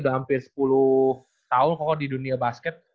udah hampir sepuluh tahun kok di dunia basket